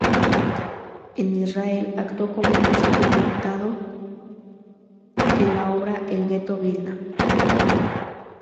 En Israel actuó como músico invitado en la obra "El ghetto Vilna".